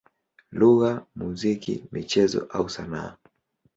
lugha, muziki, michezo au sanaa.